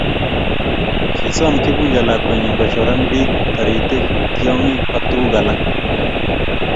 Kisom Kifuja lakwenyi kochoran bik taritik, tiongik ak tuguk alak